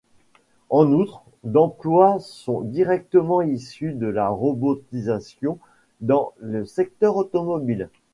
En outre, d’emplois sont directement issus de la robotisation dans le secteur automobile.